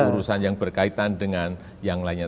urusan yang berkaitan dengan yang lainnya